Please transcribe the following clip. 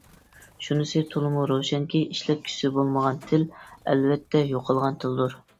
شۇنىسى تولىمۇ روشەنكى، ئىشلەتكۈچىسى بولمىغان تىل ئەلۋەتتە يوقالغان تىلدۇر.